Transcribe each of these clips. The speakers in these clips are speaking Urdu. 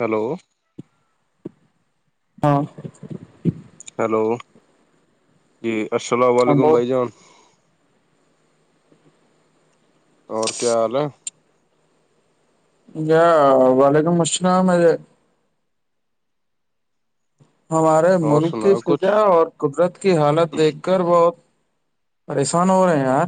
ہیلو فہہ ہیلو جی السلام ہاں علیکم بہت بھائی جان اور کیا حال ہے کیا وعلیکم السلام اے ہمارے اور ملک کی سناؤ کچھ فضا اور قدرت کی حالت دیکھ کر بہت پریشان ہو رہے ہیں یار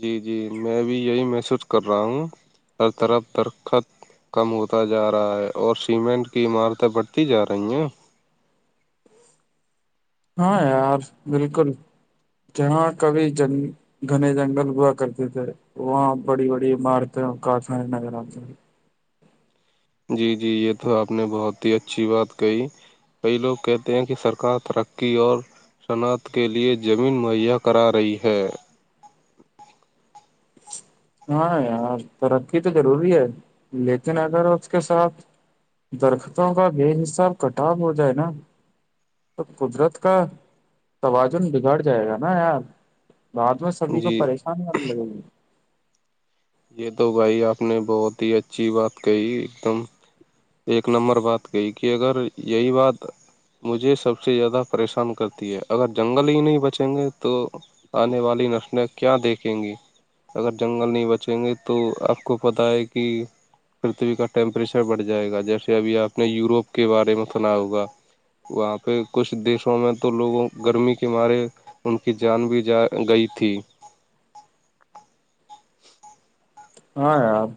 جی جی میں بھی یہی محسوس کر رہا ہوں ہر طرف درخت کم ہوتا جا رہا ہے اور سیمنٹ کی عمارتیں بڑھتی جا رہی ہیں ہاں یار بالکل جہاں کبھی جن گھنے جنگل ہوا کرتے تھے وہاں بڑی بڑی عمارتیں اور کھانیں نظر آتے جی جی یہ تو آپ نے بہت ہی اچھی بات کہی کئی لوگ کہتے ہیں کہ سرکار ترقی اور صناخت کے لیے زمین مہیا کرا رہی ہے ہاں یار ترقی تو ضروری ہے لیکن اگر اس کے ساتھ درختوں کا بے حساب کٹاب ہو جائے نا تو قدرت کا توازن بگڑ جائے گا نا یار بعد میں سبھی کو جی پریشان کرنے لگے گی یہ تو بھائی آپ نے بہت ہی اچھی بات کہی ایک دم ایک نمبر بات گئی کہ اگر یہی بات مجھے سب سے زیادہ پریشان کرتی ہے اگر جنگل ہی نہیں بچیں گے تو آنے والی نسلیں کیا دیکھیں گی اگر جنگل نہیں بچ پنچیں گے تو آپ کو پت ہے کہ پرتھوی کا ٹیمپریچر بڑھ جائے گا جیسے ابھی آپ نے یوروپ کے بارے میں سنا ہوگا وہاں پہ کچھ دیشوں میں تو لوگوں گرمی کے مارے ان کی جان بھی جا گئی تھی ہاں آپ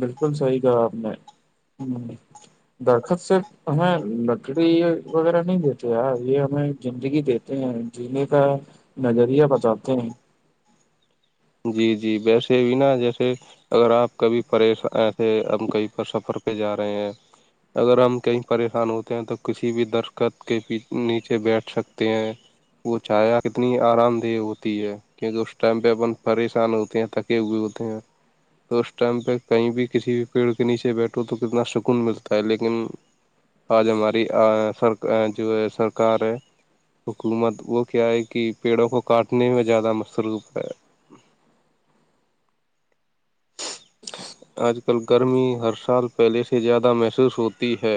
بالکل صحیح کہا آپ نے ہ درخت سے ہمیں لکڑی وغیرہ نہیں دیتے یار یہ ہمیں زندگی دیتے ہیں جینے کا نظریہ بتاتے ہیں جی جی ویسے بھی نا جیسے اگر آپ کبھی پریش تھے ہم کہیں پر سفر پہ جا رہے ہیں اگر ہم کہیں پریشان ہوتے ہیں تو کسی بھی درخت کے نیچے بیٹھ سکتے ہیں وہ چایا کتنی آرام دہ ہوتی ہے کیونکہ اس ٹائم پہ اپن پریشان ہوتے ہیں تھکے ہوئے ہوتے ہیں تو اس ٹائم پہ کہیں بھی کسی بھی پیڑ کے نیچے بیٹھو تو کتنا سکون ملتا ہے لیکن آج ہماری سر جو ہے سرکار ہے حکومت وہ کیا ہے کہ پیڑوں کو کاٹنے میں زیادہ مصر پ ہے ہ آج کل گرمی ہر سال پہلے سے زیادہ محسوس ہوتی ہے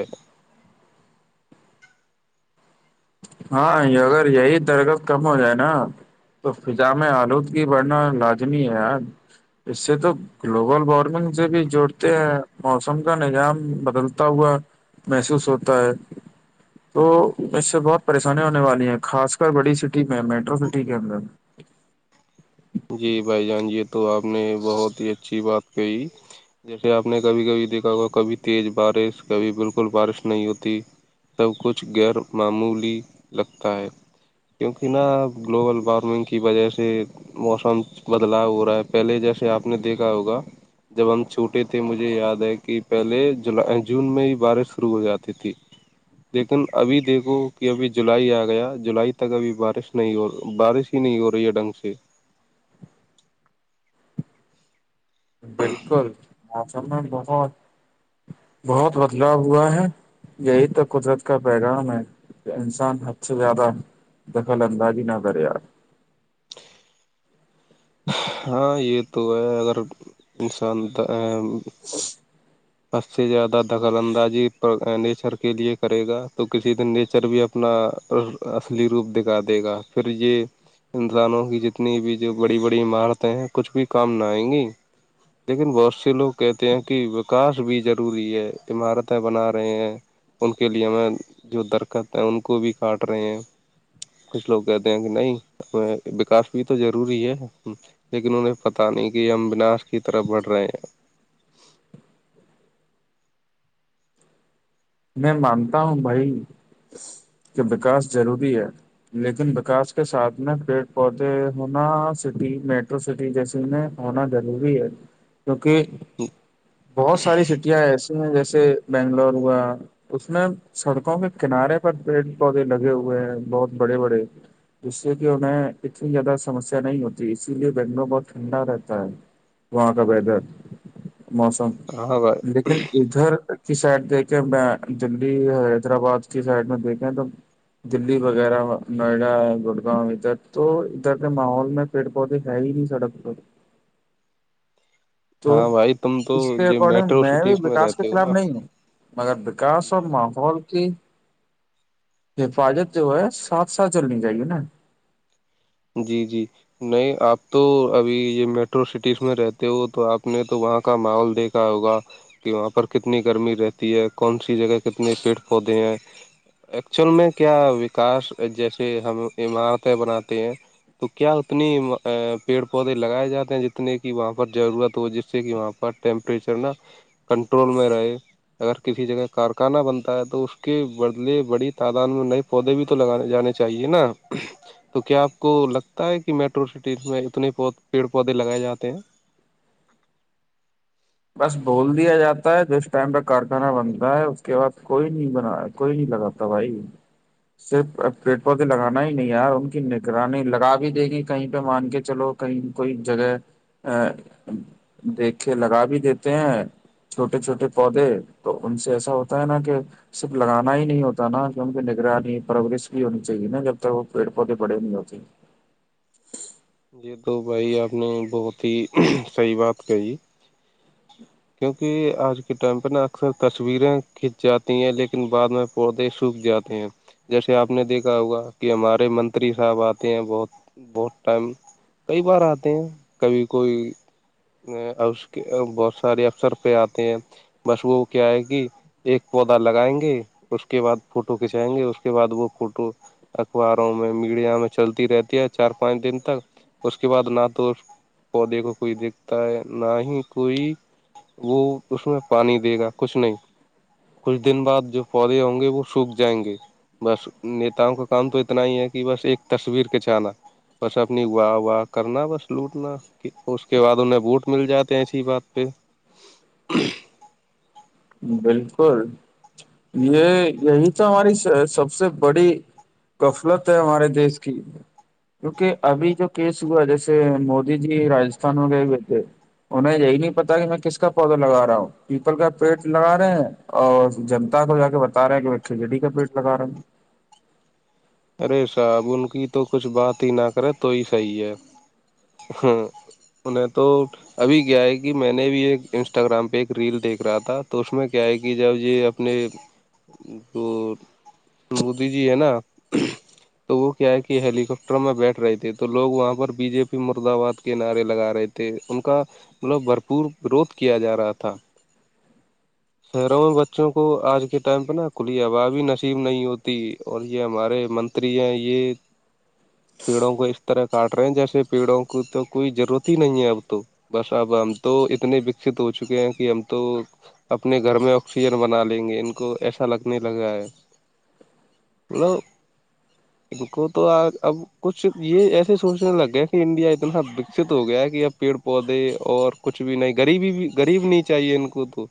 ہاں اگر یہی درگت کم ہو جائے نا تو فضا میں آلودگی بڑھنا لازمی ہے یار اس سے تو گلوبل وارمنگ سے بھی جوڑتے ہیں موسم کا نظام بدلتا ہوا محسوس ہوتا ہے تو اس سے بہت پریشانییا ہونے والی ہیں خاص کر بڑی سٹی میں میٹرو سٹی کے اندر جی بھائی جان یہ تو آپ نے بہت ہی اچھی بات کہی جیسے آپ نے کبھی کبھی دیکھا ہوا کبھی تیز بارش کبھی بالکل بارش نہیں ہوتی سب کچھ غیر معمولی لگتا ہے کیونکہ نا گلوبل وارمنگ کی وجہ سے موسم بدلاؤ ہو رہا ہے پہلے جیسے آپ نے دیکھا ہوگا جب ہم چھوٹے تھے مجھے یاد ہے کہ پہلے جولائی جون میں ہی بارش شروع ہو جاتی تھی لیکن ابھی دیکھو کہ ابھی جولائی آ گیا جولائی تک ابھی بارش نہیں ہو بارش تنی اورور یہڈنگ سے [unintelligible] بالکل موسم میں بہت بہت بدلاؤ ہوا ہے یہی تو قدرت کا پیغام ہے کہ انسان حد سے زیادہ دخل اندازی نہ کر یار [unintelligible] ہاں یہ تو ہے اگر انسان ج [unintelligible] سب سے زیادہ دخل اندازی نیچر کے لیے کرے گا تو کسی دن نیچر بھی اپنا اصلی روپ دکھا دے گا پھر یہ انسانوں کی جتنی بھی جو بڑی بڑی عمارتیں ہیں کچھ بھی کام نہ آئیں گی لیکن بہت سے لوگ کہتے ہیں کہ کاش بھی ضروری ہے عمارتیں بنا رہے ہیں ان کے لیے ہم جو درکت ہیں ان کو بھی کاٹ رہے ہیں کچھ لوگ کہتے ہیں کہ نہیں وکاس بھی تو ضروری ہے لیکن انہیں پتاہ نہیں کہ ہم وناش کی طرف بڑھ رہے ہیں میں مانتا ہوں بھائی کہ وکاس ضروری ہے لیکن وکاس کے ساتھ میں پیڑ پودے ہونا سٹی میٹرو سٹی جیسی میں ہونا ضروری ہے [inaudible] کیونکہ بہت ساری سٹیاں ایسی ہیں جیسے بنگلور ہوا اس میں سڑکوں کے کنارے پر پیڑ پودے لگے ہوئے ہیں بہت بڑے بڑے جس سے کہ انیں اتنی زیادہ سمسیا نہیں ہوتی اسی لیے بنگلور بہت ٹھنڈا رہتا ہے وہاں کا ویدر موسم ہاں بھائی لیکن ادھر کی سائڈ دیک کے میں دلی حیدرآباد کی سائڈ میں دیکھیں تو [unintelligible] دلی وغیرہ نوئیڈا گڑگاؤں ادھر تو ادھر کے ماحول میں پیڑ پودے ہے ہی نہیں سڑک پ [unintelligible] تو ہاں بھائی تم تو اس کے یہ اکارڈنگ میٹرو میں بھی سٹیز وکاس کے رہتے ہو خلاف نا نہیں ہوں مگر وکاس اور جی ماحول کی حفاظت جو ہے ساتھ ساتھ چلنی چاہیے نا جی جی نہیں آپ تو ابھی یہ میٹرو سٹیز میں رہتے ہو تو آپ نے تو وہاں کا ماحول دیکھ ہوگا کہ وہاں پر کتنی گرمی رہتی ہے کون سی جگہ کتنے پیڑ پودے ہیں ایکچول میں کیا وکاس جیسی ہم عمارتیں بناتی ہیں تو کیا اتنی پیڑ پودے لگائے جاتے ہیں جتنے کہ وہاں پر ضرورت ہو جس سے کہ وہاں پر ٹیمپریچر نا کنٹرول میں رہے اگر کسی جگہ کارخانہ بنتا ہے تو اس کے بدلے بڑی تعداد میں ن پودے بھی تو لگانے جانے چاہیے نا تو کیا آپ کو لگتا ہے کہ میٹرو سٹی میں اتنے پود پیڑ پودے لگائے جاتے ہیں بس بول دیا جاتا ہے جس ٹائم پہ کارخانہ بنتا ہے اس کے بعد کوئی نہیں بنایا کوئی نہیں لگاتا بھائی صرف پیٹ پودے لگانا ہی نہیں یار ان کی نگرانی لگا بھی دے گی کہیں پہ مان کے چلو کہئی کوئی جگہ ا دیکھے لگا بھی دیتے ہیں چھوٹے چھوٹے پودے تو ان سے ایسا ہوتا ہے نا کہ صرف لگانا ہی نہیں ہوتا نا کیونکہ نگرانی پرش بھی ہونی چاہیے نا جب تک وہ پیڑ پودے بڑے نہیں ہوتے یہ تو بھائی آپ نے بہت ہی صحی بات کہی کیونکہ آج کے ٹائم پہ نا اکثر تصویریں کھنچ جاتی ہیں لیکن بعد میں پودے سوکھ جاتے ہیں جیسے آپ نے دیکھا ہوگا کہ ہمارے منتری صاحب آتے ہیں بہت بہت ٹائم کئی بار آتے ہیں کبھی کوئی اس کے بہت سارے افسر پہ آتے ہیں بس وہ کیا ہے کہ ایک پودا لگائیں گے اس کے بعد فوٹو کھنچائیں گے اس کے بعد وہ فوٹو اخباروں میں میڈیا میں چلتی رہتی ہے چار پانچ دن تک اس کے بعد نہ تو پودے کو کوئی دیکھتا ہے نہ ہی کوئی وہ اس میں پانی دے گا کچھ نہیں کچھ دن بعد جو پودے ہوں گے وہ سوکھ جائیں گے بس نیتاؤں کا کام تو اتنا ہی ہے کہ بس ایک تصویر کچانا بس اپنی واہ واہ کرنا بس لوٹنا کہ اس کے بعد انہیں بوٹ مل جاتے ہیں ایسی بات پہ بالکل یہ یہی تو ہماری سب سے بڑی غفلت ہے ہمارے دیش کی کیونکہ ابھی جو کیس ہوا جیسے مودی جی راستھان میں گئے ہوئے تھے انہیں یہی نہیں پتا کہ میں کس کا پودا لگا رہا ہوں پیپل کا پیٹ لگا رہے ہیں اور جنتا کو جا کے بتا رہے ہیں کہ کھچڑی کا پیٹ لگا رہے ہیں ارے صاحب ان کی تو کچھ بات ہی نہ کرے تو ہی صحیح ہے ہ ان تو ابھی کیا ہے کہ میں نے بھی ایک انسٹاگرام پہ ایک ریل دیکھ رہا تھا تو اس میں کیا ہے کہ جب یہ اپنے جو مودی جی ہے نا تو وہ کیا ہے کہ ہیلی کاپٹر میں بیٹھ رہے تھے تو لوگ وہاں پر بی جے پی مردباد کے نارے لگا رہے تھے تھے ان کا مطلب بھرپور وروھ کیا جا رہا تھا شہروں میں بچوں کو آج کے ٹائم پہ نا کھلی آبی نصیب نہیں ہوتی اور یہ ہمارے من ترییا یہ پیڑوں کو اس طرح کاٹ رہے ہیں جیسے پیڑوں کو تو کوئی ضرورت ہی نہیں ہے اب تو بس اب ہم تو اتنے وکست ہو چکے ہیں کہ ہم تو اپنے گھر میں آکسیجن بنا لیں گے ان کو ایسا لگنے لگا ہے مطلب ان کو تو اب کچھ یہ ایسے سوچنے لگ گیا کہ انڈیا اتنا سا وکست ہو گیا ہے کہ اب پیڑ پودے اور کچھ بھی نہیں غریبی بھی غریب نہیں چاہیے ان کو تو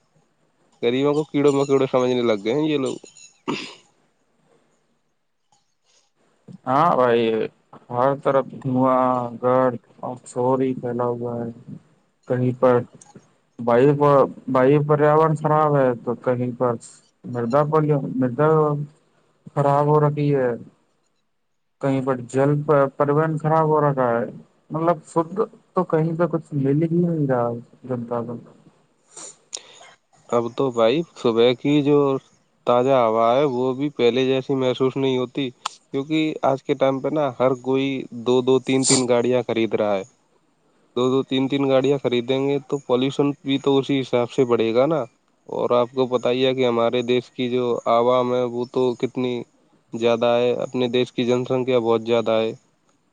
غریبوں کو کیڑوں مکیڑے سجنے لگئے ہیں یہ لوگ ہاں بھائی ہر طرف دھواں گرد اور سوری پھیلا ہوا ہے کہیں پر بھائی بھائی پریاورن خراب ہے تو کہیں پر مردہ پ مردا خراب ہو رکی ہے کہیں پر جل پرن خراب ہو رہا ہے مطلب خد تو کہیں پہ کچھ مل ہی نہیں رہا ہے جنتا دل اب تو بھائی سب کی ہی جو تازہ ہوا ہے وہ بھی پہلے جیسی محسوس نہیں ہوتی کیوںکہ آج کے ٹائم پہ نا ہر کوئی دو دو تین تین گاڑیاں خرید رہا ہے دو دو تین تین گاڑیاں خریدیں گے تو پالوشن بھی تو اسی حساب سے بڑے گا گ نا اور آپ کو بت ہی ہے کہ ہمارے دیش کی جو عوام ہے وہ تو کتنی زیادہ ہے اپنے دیش کی جن سنکھیا بہت زیادہ ہے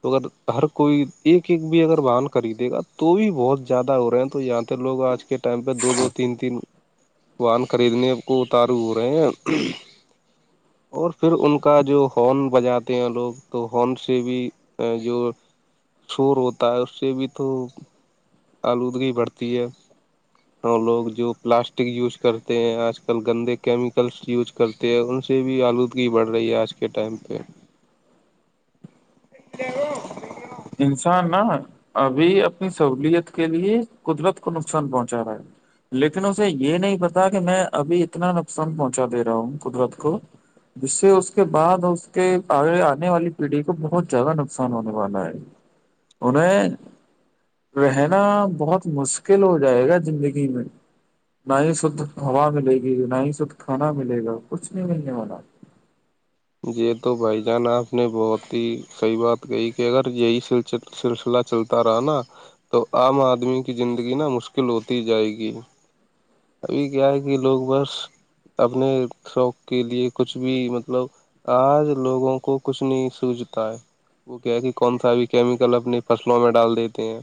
تو اگر ہر کوئی ایک ایک بھی اگر بن خریدے گا تو بھی بہت زیادہ ہو رہے ہیں تو یہاں لو آج کے ٹائم پ دو ت تین تین پان خریدنے کو اتارو ہو رہے ہیں اور پھر ان کا جو ہارن بجاتے ہیں لوگ تو ہارن سے بھی ا جو شور ہوتا ہے اس سے بھی تو آلودگی بڑھتی ہے وہ لوگ جو پلاسٹک یوز کرتے ہیں آج کل گندے کیمیکلس یوز کرتے ہیں ان سے بھی آلودگی بڑھ رہی ہے آج کے ٹائم پہ و انسان نا ابھی اپنی سہوولت کے لیے قدرت کو نقصان پہنچا رہا ہے لیکن اسے یہ نہیں پتا کہ میں ابھی اتنا نقصان پہنچا دے رہا ہوں قدرت کو جس سے اس کے بعد اس کے آنے والی پیڑھی کو بہت زیادہ نقصان ہونے والا ہے انیں رہنا بہت مشکل ہو جائے گا زندگی میں نہ ہی شدھ ہوا ملے گی نہ ہی شدھ کھانا ملے گا کچھ نہیں م گ والارا یہ تو بھائی جان آپ نے بہت ہی صحیح بات کہی کہ اگر یہی سلچ سلسلہ چلتا رہا نا تو عام آدمی کی زندگی نا مشکل ہوتی جائے گی ابھی کیا ہے کہ لوگ بس اپنے شوق کے لیے کچھ بھی مطلب آج لوگوں کو کچھ نہیں سوجھتا ہے وہ کیا کہ کون سا بھی کیمیکل اپنی فصلوں میں ڈال دیتے ہیں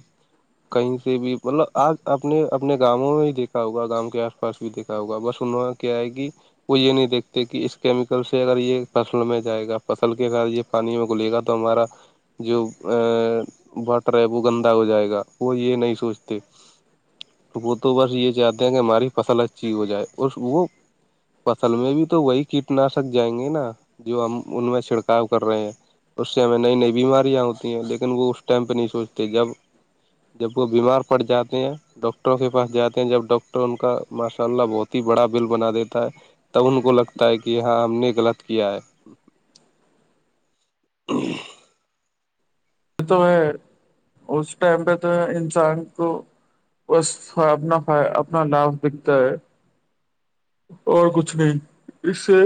کہیں سے بھی مطلب آج اپنے اپنے گاؤوں میں ہی دیکھا ہوگا گامں کے آس پاس بھی دیکھا ہوگا بس اننوںا کیا آئے گی وہ یہ نہیں دیکھتے کہ اس کیمیکل سے اگر یہ فصل میں جائے گا فصل کے ا یہ پانی میں گلے گا تو ہمارا جو واٹر ہے وہ گندا ہو جائے گا وہ یہ نہیں سوچتے تو وہ تو بس یہ چاہتے ہیں کہ ہماری فصل اچھی ہو جائے اور وہ فصل میں بھی تو وہی کیٹ نشک جائیں گے نا جو ہم ان میں چھڑکاؤ کر رہے ہیں اس سے ہمیں نئی نئی بیماریاں ہوتی ہیں لیکن وہ اس ٹائم پہ نہیں سوچتے جب جب وہ بیمار پڑ جاتے ہیں ڈاکٹروں کے پاس جاتے ہیں جب ڈ تو ان کا ماشاء اللہ بہت ہی بڑا بل بنا دیتا ہے تب ان کو لگتا ہے کہ ہاں ہم نے غلط کیا ہے ج [unintelligible] تو ہے اس ٹائم پہ تو ہے انسان کو بس اپنا اپنا لابھ دکھتا ہے اور کچھ نہیں اس سے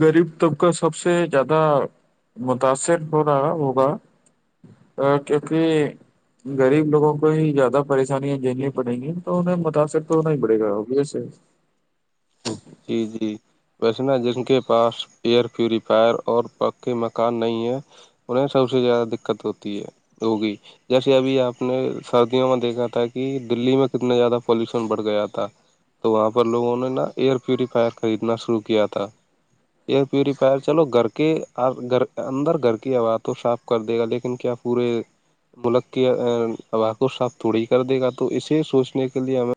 غریب طبقہ سب سے زیادہ متاثر ہو رہا ہے وہ ا کیونکہ غریب لوگوں کو ہی زیادہ پریشانیاں جیننیی پڑیں گی تو انہیں متاثر تو ہونا ہی پڑے گا ہوگ سے جی جی ویسے نا جن کے پاس ایئر پیوریفائر اور پکے مکان نہیں ہیں انہیں سب سے زیادہ دقت ہوتی ہے ہوگئی جیسے ابھی آپ نے سردیوں میں دیکھا تھا کہ دلی میں کتنا زیادہ پالوشن بڑھ گیا تھا تو وہاں پر لوگوں نے نا ایئر پیوریفائر خریدنا شروع کیا تھا ایئر پیوریفائر چلو گھر کے گھر اندر گھر کی آو تو صاف کر دے گا لیکن کیا پورے ملک کے آب کو صاف تھڑی کر دے گا تو اسے سوچنے کے لیے ہمیں